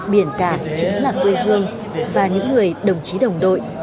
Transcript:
biển cả chính là quê hương và những người đồng chí đồng đội